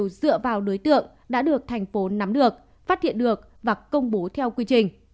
số liệu đều dựa vào đối tượng đã được thành phố nắm được phát hiện được và công bố theo quy trình